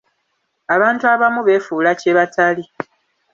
Abantu abamu beefuula kye batali.